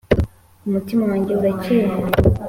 (umutima wanjye uracyeye